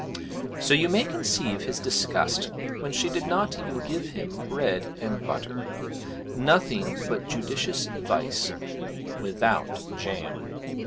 So you may conceive his disgust when she did not even give him bread and butter; nothing but judicious advice without jam.